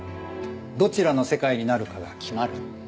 どちらの世界になるかが決まる。